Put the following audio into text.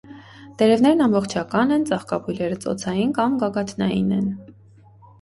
Տերևներն ամբողջական են, ծաղկաբույլերը ծոցային կամ գագաթնային են։